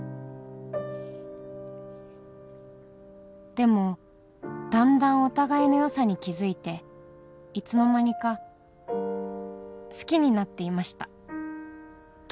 「でもだんだんお互いの良さに気づいていつの間にか好きになっていました」